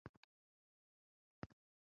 د خاورې اصلاح د حاصل لوړوالي سبب کېږي.